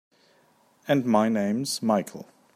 And my name's Michael.